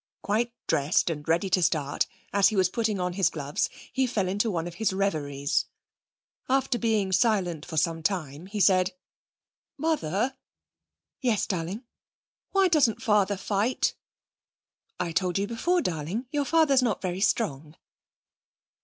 Quite dressed and ready to start, as he was putting on his gloves, he fell into one of his reveries. After being silent for some time he said: 'Mother!' 'Yes, darling?' 'Why doesn't father fight?' 'I told you before, darling. Your father is not very strong.'